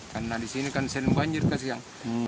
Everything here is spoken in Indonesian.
karena di sini kan sering banjir kasihan